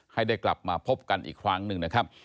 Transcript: ให้ได้กลับมาพบกันอีกครั้งหนึ่งนะครับ